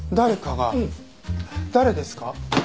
誰ですか？